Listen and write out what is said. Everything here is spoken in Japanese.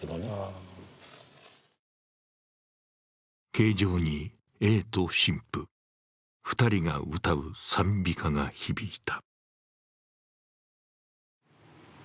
刑場にＡと神父、２人が歌う賛美歌が響いた。